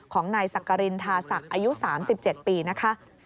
ของนายสักกรินทาศักดิ์อายุ๓๗ปีนะคะ